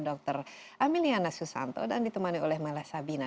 dr ameliana susanto dan ditemani oleh mala sabina